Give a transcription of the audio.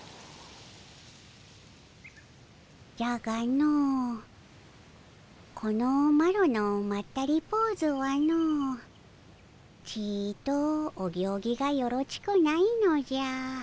じゃがのこのマロのまったりポーズはのちとお行儀がよろちくないのじゃ。